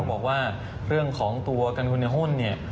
บอกว่าเรื่องของตัวกันคุณในหุ้นเนี่ย